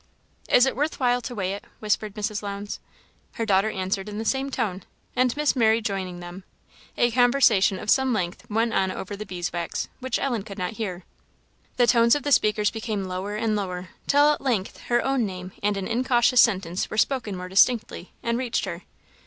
"Is it worth while to weigh it?" whispered Mrs. Lowndes. Her daughter answered in the same tone, and Miss Mary joining them, a conversation of some length went on over the bees' wax, which Ellen could not hear. The tones of the speakers became lower and lower; till at length her own name and an incautious sentence were spoken more distinctly, and reached her.